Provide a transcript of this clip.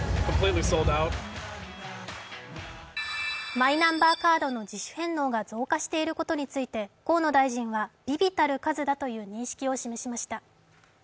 マイナンバーカードの自主返納が増加していることについて河野大臣は微々たる数だという認識を示しました。